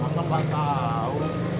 apa nggak tahu